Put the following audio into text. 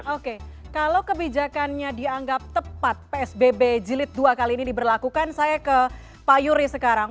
oke kalau kebijakannya dianggap tepat psbb jilid dua kali ini diberlakukan saya ke pak yuri sekarang